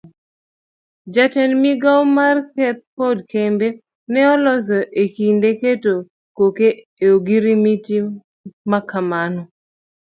Jatend migawo mar theth kod kembe ne oloso ekinde keto koke e ogirimiti makamano.